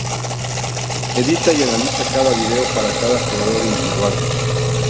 Edita y analiza cada video para cada jugador individual.